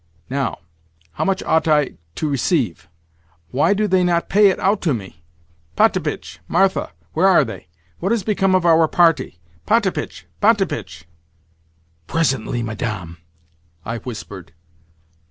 Now, how much ought I to receive? Why do they not pay it out to me? Potapitch! Martha! Where are they? What has become of our party? Potapitch, Potapitch!" "Presently, Madame," I whispered.